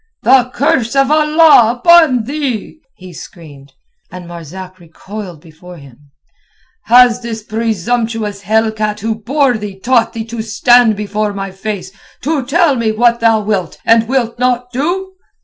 "The curse of Allah upon thee!" he screamed, and Marzak recoiled before him. "Has this presumptuous hellcat who bore thee taught thee to stand before my face, to tell me what thou wilt and wilt not do?